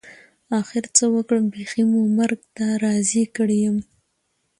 اخر څه وکړم بيخي مو مرګ ته راضي کړى يم.